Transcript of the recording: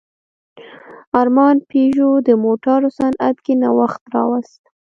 ارمان پيژو د موټرو صنعت کې نوښت راوست.